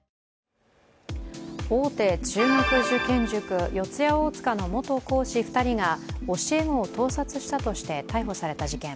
大手中学受験塾、四谷大塚の元講師２人が教え子を盗撮したとして逮捕された事件。